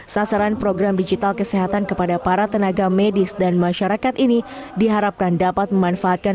sasaran program digital kesehatan kepada para tenaga medis dan masyarakat ini diharapkan dapat memanfaatkan